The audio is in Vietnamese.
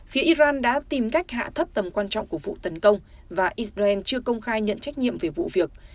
phía iran đã tìm cách hạ thấp tầm quan trọng của vụ tấn công và israel chưa công khai nhận trách nhiệm về vụ việc